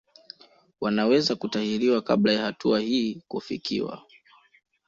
Wanaweza kutahiriwa kabla ya hatua hii kufikiwa